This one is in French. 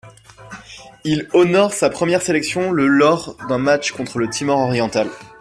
Il honore sa première sélection le lors d'un match contre le Timor oriental.